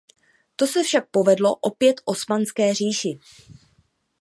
To se však povedlo opět osmanské říši.